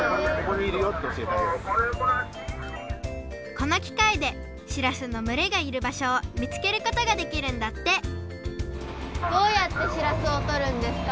このきかいでしらすのむれがいるばしょをみつけることができるんだってどうやってしらすをとるんですか？